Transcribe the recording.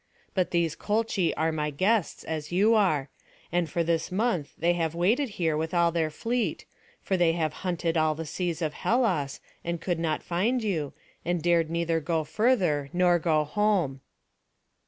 But these Colchi are my guests, as you are; and for this month they have waited here with all their fleet; for they have hunted all the seas of Hellas, and could not find you, and dared neither go further, nor go home."